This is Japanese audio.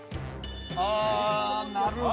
ああなるほど。